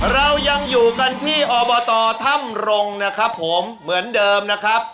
เรายังอยู่กันที่อบตถ้ำรงนะครับผมเหมือนเดิมนะครับ